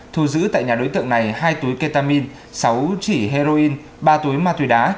thu giữ tại nhà đối tượng này hai túi ketamin sáu chỉ heroin ba túi ma túy đá